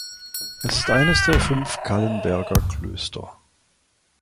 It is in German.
Es ist eines der fünf Calenberger Klöster.